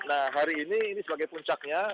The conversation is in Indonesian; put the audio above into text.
nah hari ini ini sebagai puncaknya